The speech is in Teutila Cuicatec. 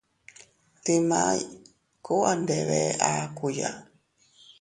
Dimay kuu a ndebe akuya.